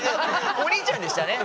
お兄ちゃんでしたね。